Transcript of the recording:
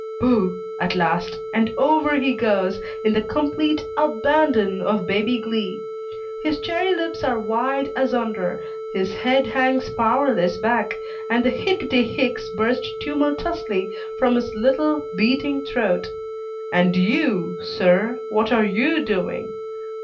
"Boo!" at last, and over he goes, in the complete abandon of baby glee; his cherry lips are wide asunder, his head hangs powerless back, and the "Hicketty hicks" burst tumultuously from his little, beating throat. And you, sir; what are you doing?